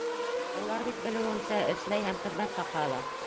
Улар бит, белеүемсә, эшләй һәм хеҙмәт хаҡы ала.